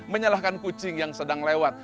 menyalahkan kucing yang sedang lewat